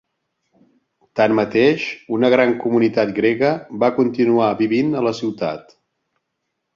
Tanmateix, una gran comunitat grega va continuar vivint a la ciutat.